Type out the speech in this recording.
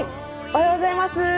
おはようございます。